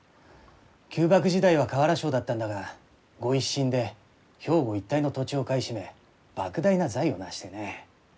旧幕時代は瓦商だったんだが御一新で兵庫一帯の土地を買い占め莫大な財を成してね。